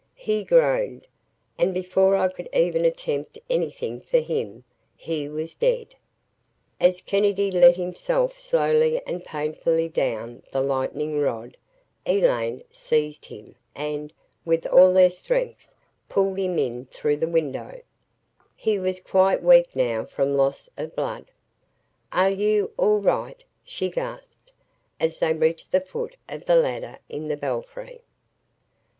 He groaned, and before I could even attempt anything for him, he was dead. ........ As Kennedy let himself slowly and painfully down the lightning rod, Elaine seized him and, with all her strength, pulled him in through the window. He was quite weak now from loss of blood. "Are you all right?" she gasped, as they reached the foot of the ladder in the belfry.